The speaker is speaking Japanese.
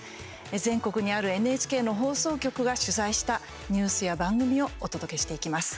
全国にあるＮＨＫの放送局が取材したニュースや番組をお届けしていきます。